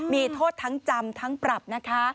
มีโทษทั้งจำทั้งปรับนะคะ